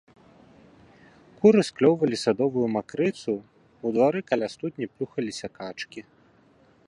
Куры склёўвалі садовую макрыцу, у двары каля студні плюхаліся качкі.